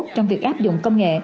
trong việc áp dụng công nghệ